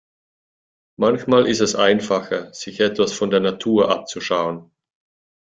Manchmal ist es einfacher, sich etwas von der Natur abzuschauen.